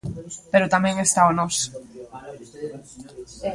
Pero tamén está o nós.